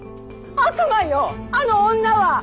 悪魔よあの女は！